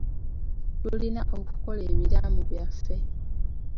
Tulina okukola ebiraamo byaffe.